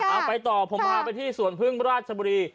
เอาไปต่อผมพาไปที่สวนพึ่งราชบุรี